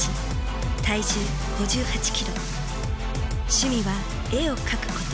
趣味は絵を描くこと。